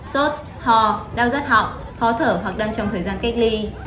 sốt hò đau rắt họng khó thở hoặc đang trong thời gian cách ly